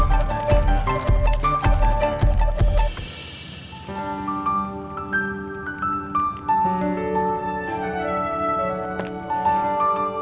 tunggu dulu aku lihat beautiful tau itu